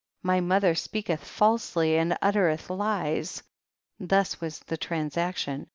my mother speakelh falsely and uttereth lies ; thus was the trans action.